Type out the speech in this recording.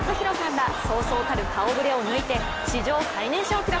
らそうそうたる顔ぶれを抜いて史上最年少記録！